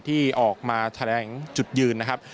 ที่ออกมาแถลงจุดยืนนะครับ